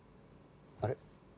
あれ？